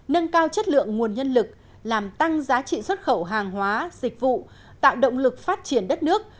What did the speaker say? nâng cao chất lượng nguồn nhân lực làm tăng giá trị xuất khẩu hàng hóa dịch vụ tạo động lực phát triển đất nước